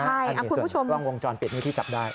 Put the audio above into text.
อันนี้ส่วนกล้องวงจรปิดนี่ที่จับได้